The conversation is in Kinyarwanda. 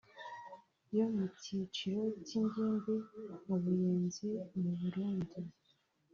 yo mu cyiciro cy’ingimbi mu Buyenzi mu Burundi